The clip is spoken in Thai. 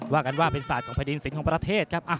ว่ากันว่าเป็นศาสตร์ของแผ่นดินสินของประเทศครับ